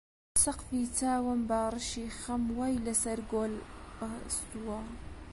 سەقفی چاوم باڕشی خەم وای لە سەر گۆل بەستووە